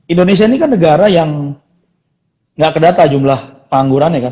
indonesia ini kan negara yang nggak kedata jumlah penganggurannya kan